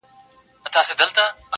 په زړه کي مي خبري د هغې د فريادي وې.